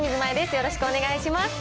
よろしくお願いします。